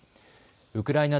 ウクライナ